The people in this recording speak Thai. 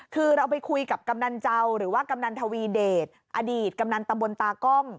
คือเราไปคุยกับกำนันเจ้าหรือว่ากำนันทวีเดชอดีตกำนันตำบลตากล้อง